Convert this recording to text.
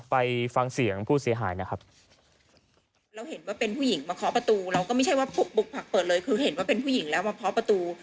ไปฟังเสียงพูดเสียหายนะครับ